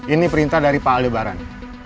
ini perintah dari pak aldebaran